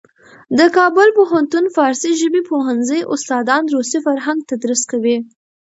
د کابل پوهنتون فارسي ژبې پوهنځي استادان روسي فرهنګ تدریس کوي.